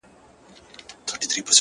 تور زهر دې د دوو سترگو له ښاره راوتلي!!